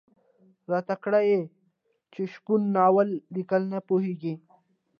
راته کړه یې چې شپون ناول ليکل نه پوهېږي.